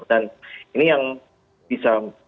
dan ini yang bisa